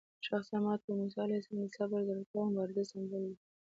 شخصاً ماته موسی علیه السلام د صبر، زړورتیا او مبارزې سمبول دی.